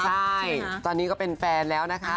ใช่ตอนนี้ก็เป็นแฟนแล้วนะคะ